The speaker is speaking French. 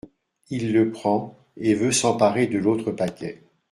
Il le prend, et veut s’emparer de l’autre paquet.